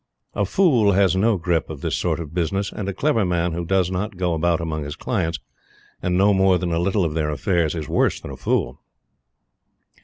A fool has no grip of this sort of business; and a clever man who does not go about among his clients, and know more than a little of their affairs, is worse than a fool.